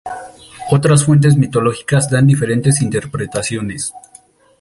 Otras fuentes mitológicas dan diferentes interpretaciones.